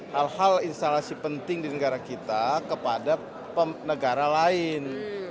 hal hal instalasi penting di negara kita kepada negara lain